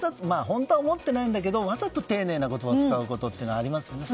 本当は思ってないんだけどわざと丁寧な言葉を使う時ありますよね。